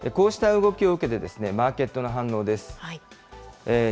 こうした動きを受けて、マーケットの反応です。